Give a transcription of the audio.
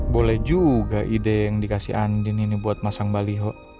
boleh juga ide yang dikasih andini buat masang baliho